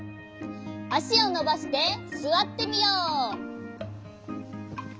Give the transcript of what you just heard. あしをのばしてすわってみよう。